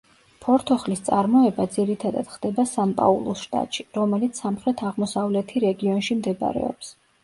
ფორთოხლის წარმოება ძირითადად ხდება სან-პაულუს შტატში, რომელიც სამხრეთ-აღმოსავლეთი რეგიონში მდებარეობს.